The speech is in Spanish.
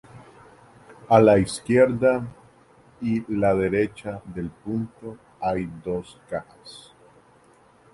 A la izquierda y la derecha del punto hay dos cajas.